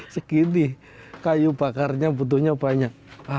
segini kayu bakarnya butuhnya banyak